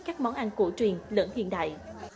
các món ăn cổ truyền lẫn hiện đại